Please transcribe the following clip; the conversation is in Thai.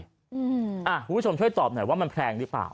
คุณผู้ชมช่วยตอบหน่อยว่ามันแพงหรือเปล่า